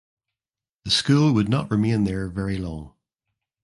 The school would not remain there very long.